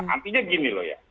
artinya gini loh ya